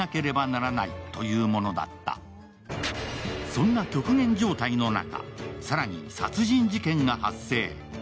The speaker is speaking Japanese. そんな極限状態の中更に殺人事件が発生。